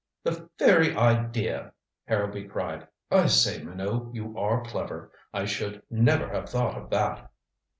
"The very idea," Harrowby cried. "I say, Minot, you are clever. I should never have thought of that."